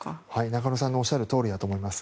中野さんのおっしゃるとおりだと思います。